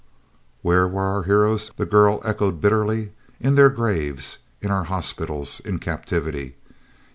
"Where were our heroes?" the girl echoed bitterly. "In their graves in our hospitals in captivity!